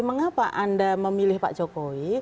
mengapa anda memilih pak jokowi